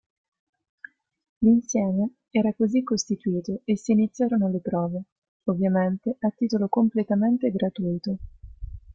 L'insieme era così costituito e s'iniziarono le prove, ovviamente a titolo completamente gratuito.